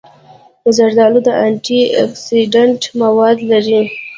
زردالو د انټي اکسېډنټ مواد لري.